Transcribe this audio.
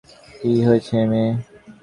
কি হয়েছে, মেয়ে?